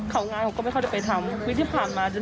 เขางานก็ไม่เข้าใจไปทำ